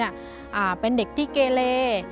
น้องฟาสตอนสมัยม๓เป็นเด็กที่เกเล